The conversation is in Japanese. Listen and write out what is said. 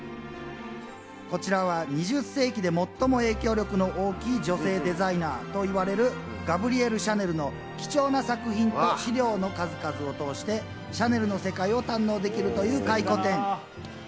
こちらは２０世紀で最も影響力の大きい女性デザイナーといわれるガブリエル・シャネルの貴重な作品と資料の数々を通して、シャネルの世界を堪能できるという回顧展。